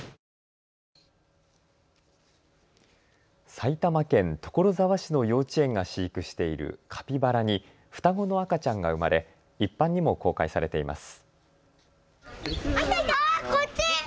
埼玉県所沢市の幼稚園が飼育しているカピバラに双子の赤ちゃんが生まれ一般にも公開されています。